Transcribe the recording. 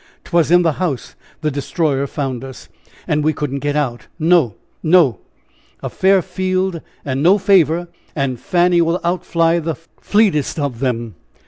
'Twas in the house the Destroyer found us, and we couldn't get out! No, no! a fair field and no favor and Fanny will outfly the fleetest of them!